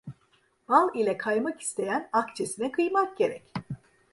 Bal ile kaymak isteyen akçesine kıymak gerek.